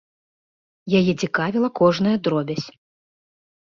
Яе цікавіла кожная дробязь.